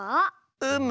うむ。